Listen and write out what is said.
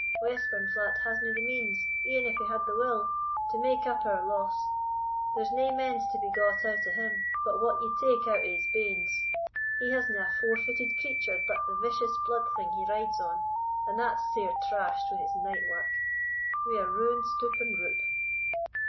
Westburnflat hasna the means, e'en if he had the will, to make up our loss; there's nae mends to be got out o' him, but what ye take out o' his banes. He hasna a four footed creature but the vicious blood thing he rides on, and that's sair trash'd wi' his night wark. We are ruined stoop and roop."